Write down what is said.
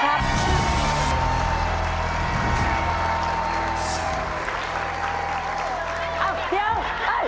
เอ้าเดี๋ยว